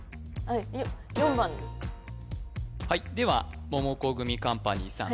はいではモモコグミカンパニーさん